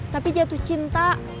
tapi jatuh cinta